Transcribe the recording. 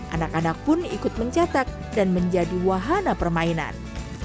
anak anak pun ikut mencetak dan menjadi wahana permainan